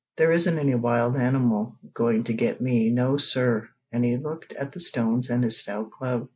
There isn't any wild animal going to get me. No sir!" and he looked at the stones and his stout club.